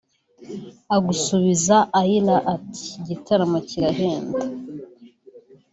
agusubiza aira ati “ Igitaramo kirahenda